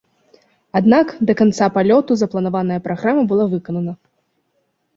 Аднак, да канца палёту запланаваная праграма была выканана.